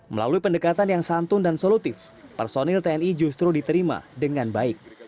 melalui pendekatan yang santun dan solutif personil tni justru diterima dengan baik